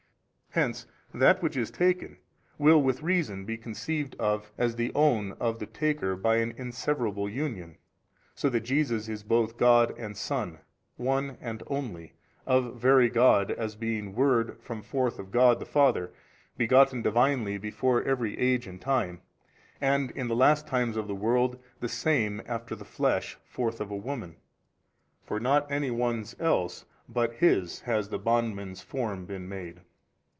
A. Hence that which is taken will with reason be conceived of as the own of the Taker by an inseverable Union; so that Jesus is both God and Son, One and Only, of Very God, as being Word from forth of God the Father, begotten Divinely before every age and time, and in the last times of the world, the same after the flesh forth of a woman: for not any one's else, but His has the bondman's form been made.